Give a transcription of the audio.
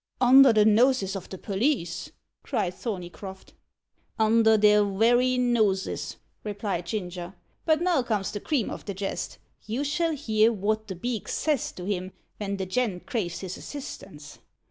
"Under the noses of the police?" cried Thorneycroft. "Under their werry noses," replied Ginger. "But now comes the cream o' the jest. You shall hear wot the beak says to him ven the gent craves his assistance.